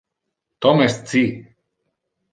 Tom es ci.